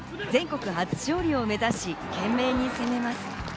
全国初勝利を目指し、懸命に攻めます。